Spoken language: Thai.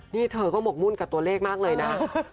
นี่เธอก็หมกมุ่นกับตัวเลขมากเลยนะ